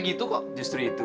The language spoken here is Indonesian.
kita harus ngelih ngelih dik